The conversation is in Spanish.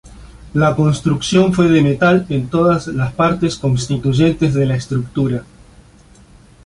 La construcción fue de metal en todas las partes constituyentes de la estructura.